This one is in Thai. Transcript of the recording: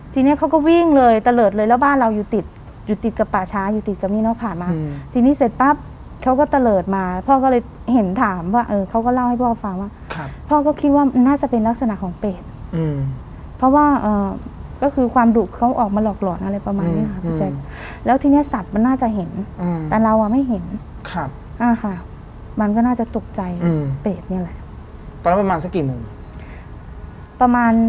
ทีนี้เขาก็วิ่งเลยตะเลิดเลยแล้วบ้านเราอยู่ติดอยู่ติดกับป่าช้าอยู่ติดกับนี่นอกผ่านมาทีนี้เสร็จปั๊บเขาก็ตะเลิดมาพ่อก็เลยเห็นถามว่าเขาก็เล่าให้พ่อฟังว่าพ่อก็คิดว่าน่าจะเป็นลักษณะของเปรตเพราะว่าก็คือความดุเขาออกมาหลอกหลอนอะไรประมาณนี้ครับพี่แจ๊คแล้วทีนี้สัตว์มันน่าจะเห็นแต่เราไม่เห็นมันก็น่าจะ